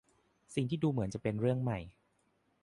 สิ่งที่ดูเหมือนจะเป็นเรื่องใหม่